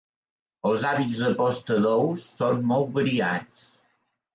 Els hàbits de posta d'ous són molt variats.